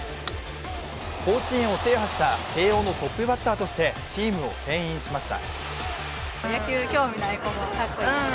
甲子園を制覇した慶応のトップバッターとしてチームをけん引しました。